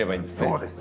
そうです！